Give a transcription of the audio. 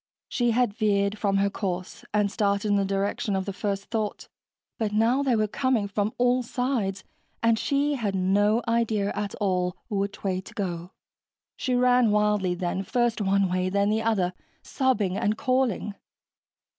She had veered from her course and started in the direction of the first thought, but now they were coming from all sides and she had no idea at all which way to go. She ran wildly then, first one way, then the other, sobbing and calling.